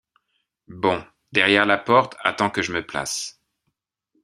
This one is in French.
Bon. — Derrière la porte attends que je me place.